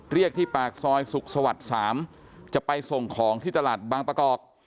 เรียกที่ปากซอยสุขสวรรค์๓จะไปส่งของที่ตลาดบางประกอบ